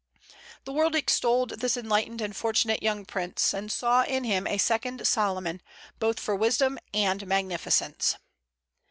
The world extolled this enlightened and fortunate young prince, and saw in him a second Solomon, both for wisdom and magnificence.